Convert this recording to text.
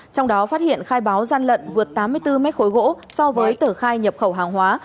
trong đó phát hiện khai báo gian lận vượt tám mươi bốn mét khối gỗ so với tờ khai nhập khẩu hàng hóa